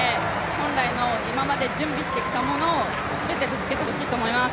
本来の、今まで準備してきたものを全てぶつけてほしいなと思います。